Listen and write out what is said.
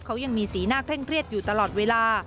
เขายังมีสีหน้าเคร่งเครียดอยู่ตลอดเวลา